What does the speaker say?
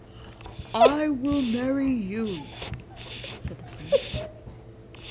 "I will marry you," said the Prince.